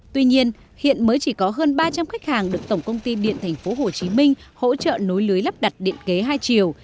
tuy nhiên hiện mới chỉ có hơn ba trăm linh khách hàng được tổng công ty điện tp hcm hỗ trợ nối lưới lắp đặt điện kế hai chiều